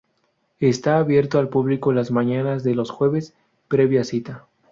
Está abierto al público las mañanas de los jueves previa cita.